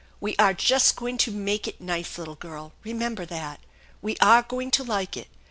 We are just going to make it nice, little girl. Remember that ! We are going to like it.